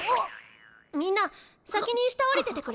みんな先に下降りててくれる？